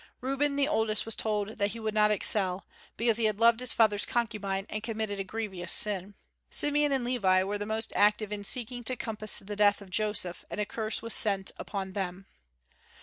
Reuben the oldest was told that he would not excel, because he had loved his father's concubine and committed a grievous sin. Simeon and Levi were the most active in seeking to compass the death of Joseph, and a curse was sent upon them.